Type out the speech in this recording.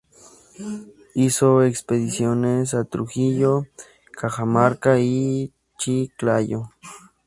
Hizo expediciones a Trujillo, Cajamarca y Chiclayo.